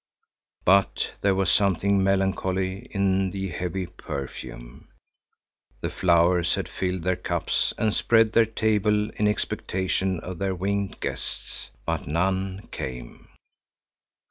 But there was something melancholy in the heavy perfume. The flowers had filled their cups and spread their table in expectation of their winged guests, but none came.